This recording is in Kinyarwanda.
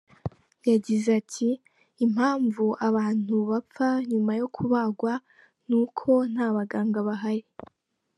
Yagize ati “Impamvu abantu bapfa nyuma yo kubagwa ni uko nta baganga bahari.